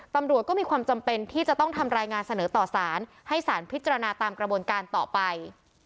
ตำรวจก็มีความจำเป็นที่จะต้องทำรายงานเสนอต่อสารให้สารพิจารณาตามกระบวนการต่อไป